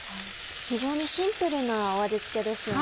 非常にシンプルな味付けですよね。